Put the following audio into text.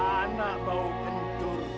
anak bau bencur